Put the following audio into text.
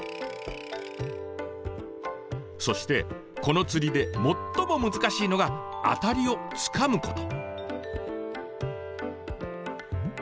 そしてこの釣りで最も難しいのがアタリをつかむこと。